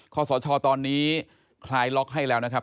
สชตอนนี้คลายล็อกให้แล้วนะครับ